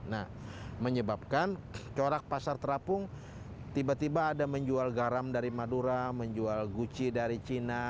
nah menyebabkan corak pasar terapung tiba tiba ada menjual garam dari madura menjual gucci dari cina